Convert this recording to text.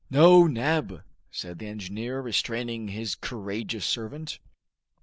"No, Neb," said the engineer, restraining his courageous servant.